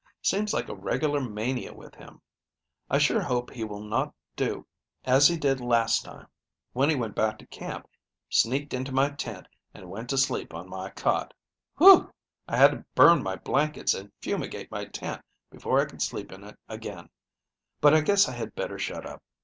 Seems like a regular mania with him. I sure hope he will not do as he did last time when he went back to camp, sneaked into my tent and went to sleep on my cot. Whew! I had to burn my blankets and fumigate my tent before I could sleep in it again, but I guess I had better shut up.